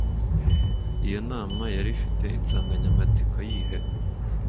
iyo nama yari ifite insanganyamatsiko yihe?